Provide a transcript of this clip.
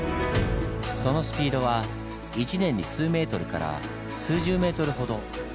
そのスピードは一年に数メートルから数十メートルほど。